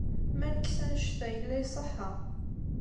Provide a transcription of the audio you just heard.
Ma nekkes annect-a, yella iṣeḥḥa.